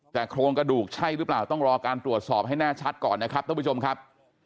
แต่โครงกระดูกใช่หรือเปล่าต้องรอการตรวจสอบให้แน่ชัดก่อนนะครับท่านผู้ชมครับ